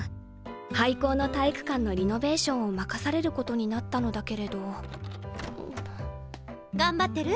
廃校の体育館のリノベーションを任されることになったのだけれど頑張ってる？